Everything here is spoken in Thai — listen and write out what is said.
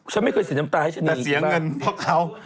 ฉันไม่เคยเสียน้ำตาให้ฉันแต่เสียเงินเพราะเขา